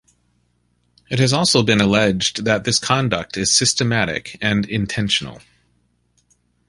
It has also been alleged that this conduct is systematic and intentional.